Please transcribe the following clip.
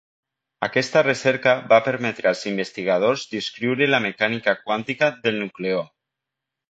Aquesta recerca va permetre als investigadors descriure la mecànica quàntica del nucleó.